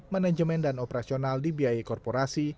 manajemen dan operasional di bi korporasi